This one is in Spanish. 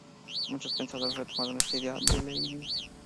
Muchos pensadores retomaron esta idea de Leibniz.